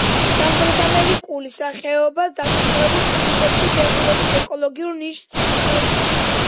სამხრეთამერიკული სახეობა დასახლებულ პუნქტებში ბეღურების ეკოლოგიურ ნიშს იკავებს.